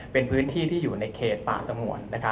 เป็นพื้นที่ที่อยู่ในเขตป่าสงวน